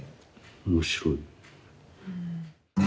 面白い。